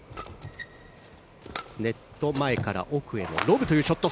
ネット前から奥へのロブというショット。